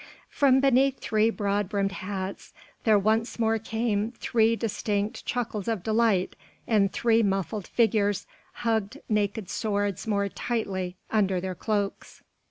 From beneath three broad brimmed hats there once more came three distinct chuckles of delight and three muffled figures hugged naked swords more tightly under their cloaks.